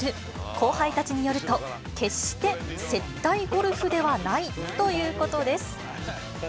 後輩たちによると、決して接待ゴルフではないということです。